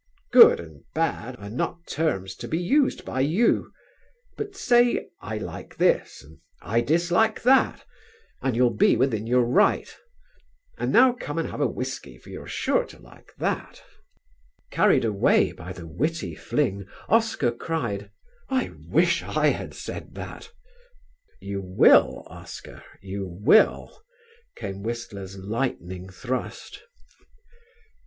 Good and bad are not terms to be used by you; but say, I like this, and I dislike that, and you'll be within your right. And now come and have a whiskey for you're sure to like that." Carried away by the witty fling, Oscar cried: "I wish I had said that." "You will, Oscar, you will," came Whistler's lightning thrust.